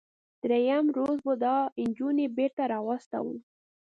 دریم روز به دا نجونې بیرته راواستوم.